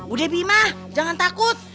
udah bima jangan takut